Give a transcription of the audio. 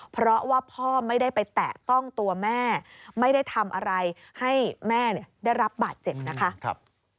เพราะว่าพ่อไม่ได้ไปแตะต้องตัวแม่ไม่ได้ทำอะไรให้แม่ได้รับบาดเจ็บนะคะ